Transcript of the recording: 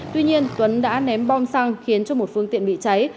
tuy nhiên tuấn đã ném bom xăng khiến cho một phương tiện bị cháy